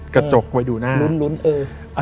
กระจกไว้ดูหน้า